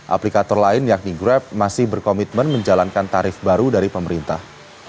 aplikator lain yakni grab masih berkomitmen menjalankan tarif baru dari pemerintah